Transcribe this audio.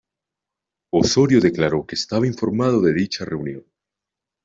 Osorio declaró que estaba informado de dicha reunión.